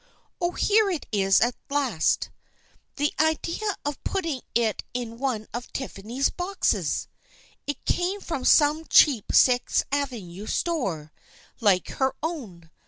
Oh, here it is at last ! The idea of putting it in one of Tiffany's boxes ! It came from some cheap Sixth Avenue store, like her own.